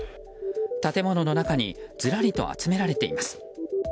建物の中にずらりと集められています。